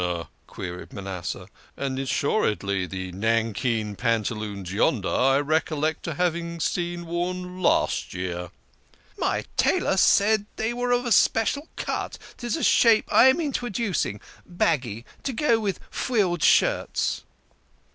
" queried Manasseh. " And assuredly the nankeen pantaloons yonder I recollect to have seen worn last year." " My tailor said they were of a special cut 'tis a shape I am introducing, baggy to go with frilled shirts."